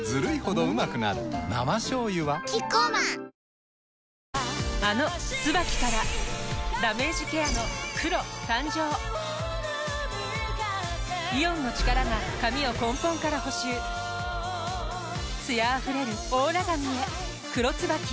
生しょうゆはキッコーマンあの「ＴＳＵＢＡＫＩ」からダメージケアの黒誕生イオンの力が髪を根本から補修艶あふれるオーラ髪へ「黒ＴＳＵＢＡＫＩ」